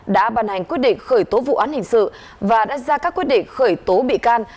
đã bàn hành quyết định khởi tố vụ án hình sự và đã ra các quyết định khởi tố bị can